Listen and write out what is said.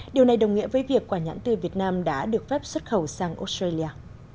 điều này đồng nghĩa với việc quả nhãn tươi việt nam đã được phép xuất khẩu sang australia